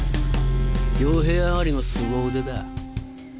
傭兵上がりのすご腕だ。